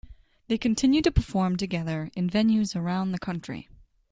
They continue to perform together in venues around the country.